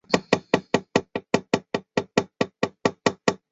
殿试登进士第三甲第一百七十一名。